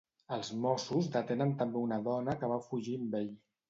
Els Mossos detenen també una dona que va fugir amb ell.